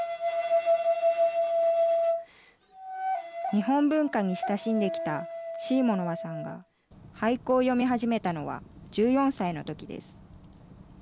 日本文化に親しんできたシーモノワさんが俳句を詠み始めたのは１４歳のときです。